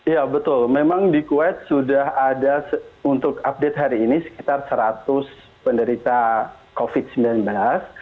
ya betul memang di kuwait sudah ada untuk update hari ini sekitar seratus penderita covid sembilan belas